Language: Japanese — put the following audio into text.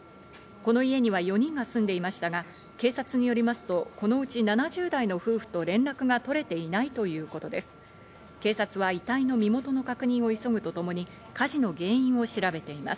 この家には４人が住んでいましたが、警察によりますと、このうち７０代の夫婦と連絡が取れていないということです。